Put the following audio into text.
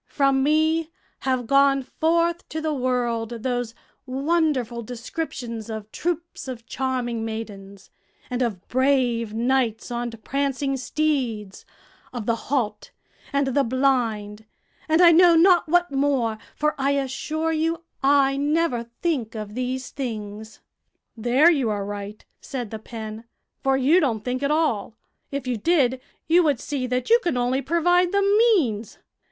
From me have gone forth to the world those wonderful descriptions of troops of charming maidens, and of brave knights on prancing steeds; of the halt and the blind, and I know not what more, for I assure you I never think of these things." "There you are right," said the pen, "for you don't think at all; if you did, you would see that you can only provide the means.